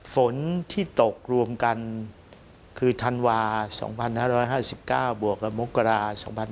ฝนที่ตกรวมกันคือธันวา๒๕๕๙บวกกับมกรา๒๕๖๒